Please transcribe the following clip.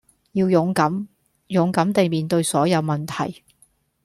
要勇敢，勇敢地面對所有問題